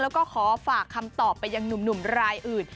แล้วก็ขอฝากคำตอบไปยังหนุ่มรายอื่น